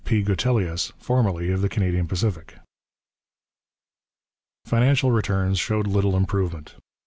P. Gutelius, formerly of the Canadian Pacific. Financial returns showed little improvement.